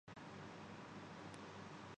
ان کے پاس زیادہ سے زیادہ زمین آجائے